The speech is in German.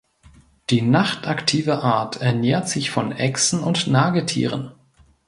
Die nachtaktive Art ernährt sich von Echsen und Nagetieren.